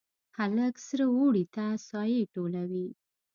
هلک سره اوړي ته سایې ټولوي